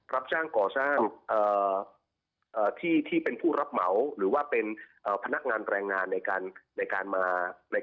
รับจ้างก่อสร้างที่เป็นผู้รับเหมาหรือว่าเป็นพนักงานแรงงานในการมา